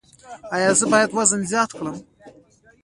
ایا زه باید وزن زیات کړم؟